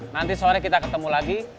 nanti sore kita ketemu lagi